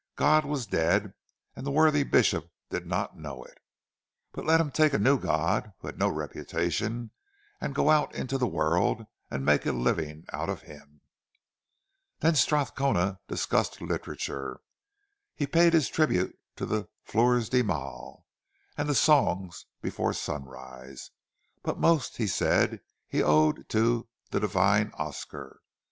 God was dead; and the worthy bishop did not know it! But let him take a new God, who had no reputation, and go out into the world and make a living out of him! Then Strathcona discussed literature. He paid his tribute to the "Fleurs de Mal" and the "Songs before Sunrise"; but most, he said, he owed to "the divine Oscar."